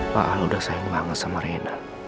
pak al udah sayang banget sama reina